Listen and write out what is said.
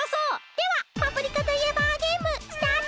ではパプリカといえばゲームスタート！